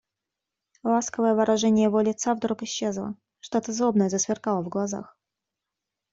Ласковое выражение его лица вдруг исчезло; что-то злобное засверкало в глазах.